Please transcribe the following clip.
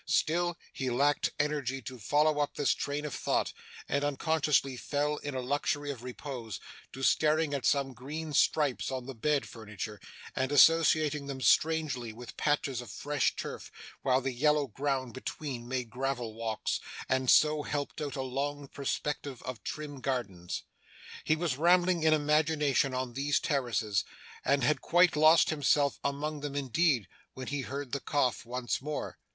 Still, he lacked energy to follow up this train of thought; and unconsciously fell, in a luxury of repose, to staring at some green stripes on the bed furniture, and associating them strangely with patches of fresh turf, while the yellow ground between made gravel walks, and so helped out a long perspective of trim gardens. He was rambling in imagination on these terraces, and had quite lost himself among them indeed, when he heard the cough once more.